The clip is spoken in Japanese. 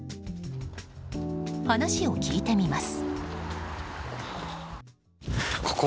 話を聞いてみます。